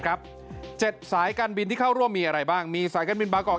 ๗สายการบินที่เข้าร่วมมีอะไรบ้างมีสายการบินบางกอก